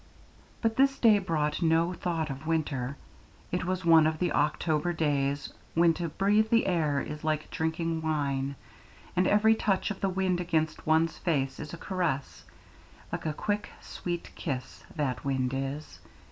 But this day brought no thought of winter; it was one of the October days when to breathe the air is like drinking wine, and every touch of the wind against one's face is a caress: like a quick, sweet kiss, that wind is.